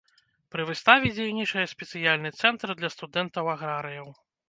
Пры выставе дзейнічае спецыяльны цэнтр для студэнтаў-аграрыяў.